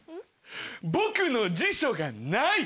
僕の辞書がない。